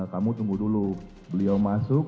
kamu tunggu dulu beliau masuk